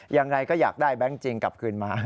ยังไงก็อยากได้แบงค์จริงกลับคืนมา